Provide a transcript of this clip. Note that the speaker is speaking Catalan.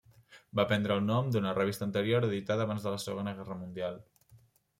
Va prendre el nom d'una revista anterior editada abans de la Segona Guerra Mundial.